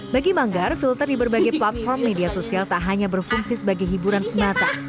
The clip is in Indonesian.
bagi manggar filter di berbagai platform media sosial tak hanya berfungsi sebagai hiburan semata